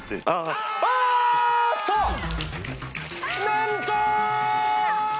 なんと！